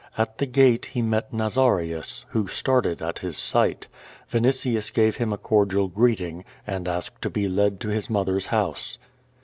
At the gate he met Nazarius, who started at his sight. Vinitius gave him a cordial greeting, and asked to be led to his mother's house.